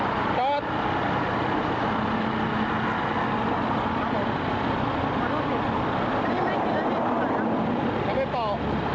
คุณผู้หญิงเป็นฝ่ายอีก